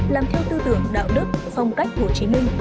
làm theo tư tưởng đạo đức phong cách hồ chí minh